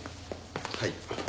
はい。